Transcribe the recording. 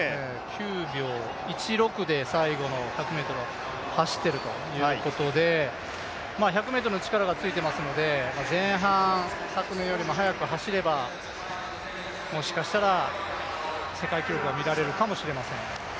９秒１６で最後の１００ｍを走ってるということで１００ｍの力がついてますので前半昨年よりも速く走ればもしかしたら世界記録は見られるかもしれません。